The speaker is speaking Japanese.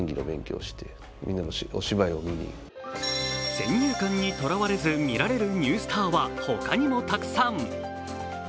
先入観にとらわれず、見られるニュースターは他にもたくさん。